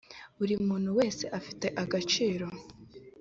buri muntu wese afite agaciro